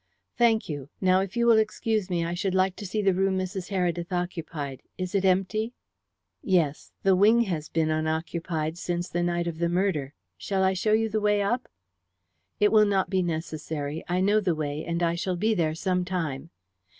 "Thank you. Now, if you will excuse me, I should like to see the room Mrs. Heredith occupied. Is it empty?" "Yes. The wing has been unoccupied since the night of the murder. Shall I show you the way up?" "It will not be necessary. I know the way, and I shall be there some time."